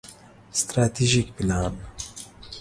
ستراتیژیک پلان